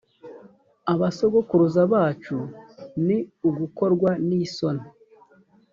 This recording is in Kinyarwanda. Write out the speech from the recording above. abasogokuruza bacu ni ugukorwa n isoni